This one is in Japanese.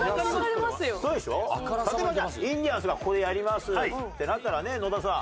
例えばじゃあインディアンスがここでやりますってなったらね野田さん。